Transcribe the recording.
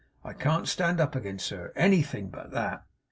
I can't stand up agin it, sir. Anything but that!